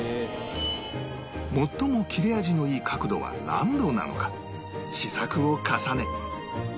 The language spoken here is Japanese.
最も切れ味のいい角度は何度なのか試作を重ね